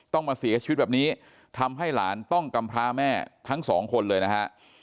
ต้องมาเสียชีวิตแบบนี้ทำให้หลานต้องกำพร้าแม่ทั้งสองคนเลยนะฮะ